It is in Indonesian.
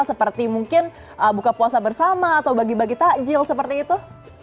seperti mungkin buka puasa bersama atau bagi bagi takjil seperti itu